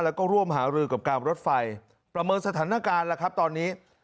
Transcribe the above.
แล้วก็ร่วมหารือกับการรถไฟประเมินสถานการณ์แล้วครับตอนนี้